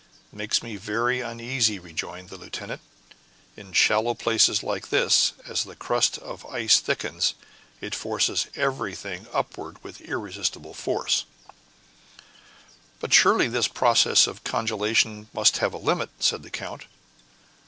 "It makes me very uneasy," rejoined the lieutenant; "in shallow places like this, as the crust of ice thickens, it forces everything upwards with irresistible force." "But surely this process of congelation must have a limit!" said the count.